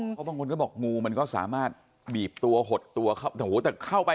เพราะบางคนก็บอกงูมันก็สามารถบีบตัวหดตัวแต่เข้าไป